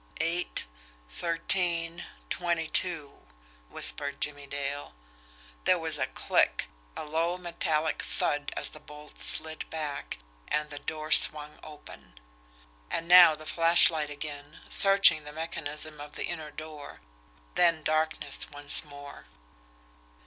"Eight thirteen twenty two," whispered Jimmie Dale. There was a click, a low metallic thud as the bolts slid back, and the door swung open. And now the flashlight again, searching the mechanism of the inner door then darkness once more.